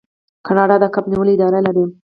کاناډا د کب نیولو اداره لري.